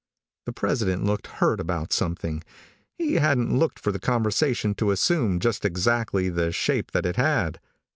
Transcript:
The president looked hurt about something. He hadn't looked for the conversation to assume just exactly the shape that it had.